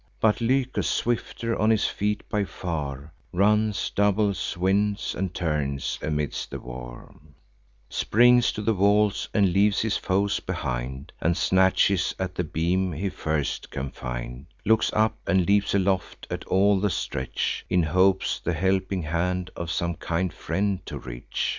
But Lycus, swifter of his feet by far, Runs, doubles, winds and turns, amidst the war; Springs to the walls, and leaves his foes behind, And snatches at the beam he first can find; Looks up, and leaps aloft at all the stretch, In hopes the helping hand of some kind friend to reach.